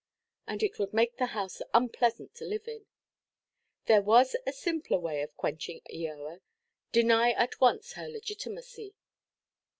And it would make the house unpleasant to live in. There was a simpler way of quenching Eoa—deny at once her legitimacy.